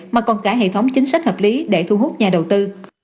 mà còn cả hệ thống chính sách hợp lý để thu hút nhà đầu tư